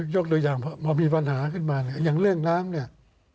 ยกโดยอย่างมีปัญหาขึ้นมาอย่างเรื่องน้ำเนี่ย